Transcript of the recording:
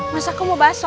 mas aku mau baso